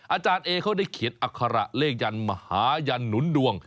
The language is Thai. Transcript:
อาจารย์เอเขาได้เขียนอัคระเลขยันมหายันหนุนดวง